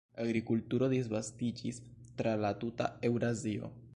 Agrikulturo disvastiĝis tra la tuta Eŭrazio.